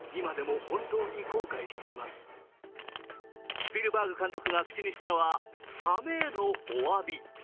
スピルバーグ監督が口にしたのはサメへのお詫び。